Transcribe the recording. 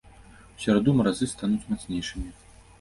У сераду маразы стануць мацнейшымі.